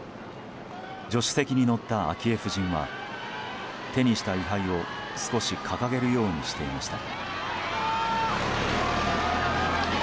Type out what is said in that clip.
助手席に乗った昭恵夫人は手にした位牌を少し掲げるようにしていました。